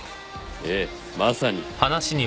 ええまさに。